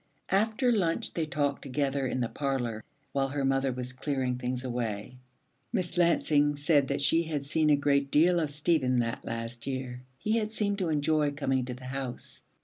After lunch they talked together in the parlor while her mother was clearing things away. Miss Lansing said that she had seen a great deal of Stephen that last year. He had seemed to enjoy coming to the house.